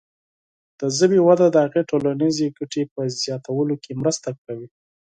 د ژبې وده د هغې د ټولنیزې ګټې په زیاتولو کې مرسته کوي.